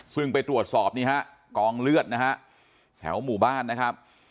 ซึ่งไปตรวจสอบนี่ฮะกองเลือดนะฮะแถวหมู่บ้านนะครับ